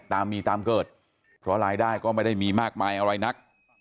ตามมีตามเกิดเพราะรายได้ก็ไม่ได้มีมากมายอะไรนัก